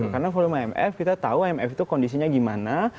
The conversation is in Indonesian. karena volume imf kita tahu imf itu kondisinya gimana